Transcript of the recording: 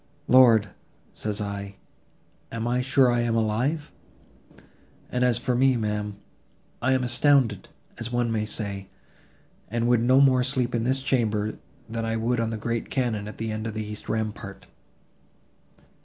Lord, says I—am I sure I am alive? And as for me, ma'am, I am all astounded, as one may say, and would no more sleep in this chamber, than I would on the great cannon at the end of the east rampart."